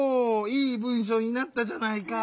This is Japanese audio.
いい文しょうになったじゃないか。